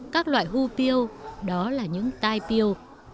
các loại hu piêu đó là những tai piêu